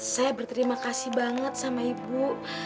saya berterima kasih banget sama ibu